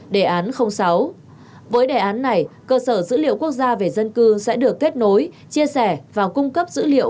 đề án sáu với đề án này cơ sở dữ liệu quốc gia về dân cư sẽ được kết nối chia sẻ và cung cấp dữ liệu